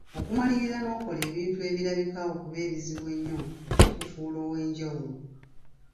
Okumalirira n'okola ebintu ebirabika okuba ebizibu ennyo kikufuula ow'enjawulo.